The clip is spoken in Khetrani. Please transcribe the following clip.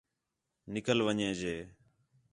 نِکل ون٘ڄے ڄے